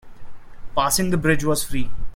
Passing the bridge was free.